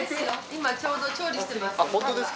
今ちょうど調理しています。